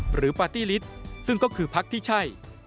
ปาร์ตี้ลิตซึ่งก็คือพักที่ใช่